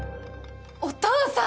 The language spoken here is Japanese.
お父さん！